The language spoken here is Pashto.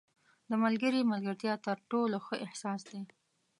• د ملګري ملګرتیا تر ټولو ښه احساس دی.